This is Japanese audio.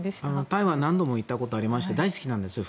台湾何度も行ったことありまして大好きなんですよ。